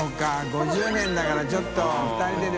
５０年だからちょっと２人で更團